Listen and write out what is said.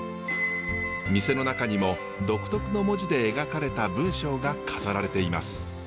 店の中にも独特の文字で描かれた文章が飾られています。